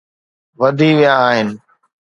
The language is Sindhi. وڌي ويا آهن